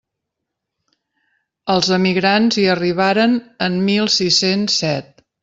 Els emigrants hi arribaren en mil sis-cents set.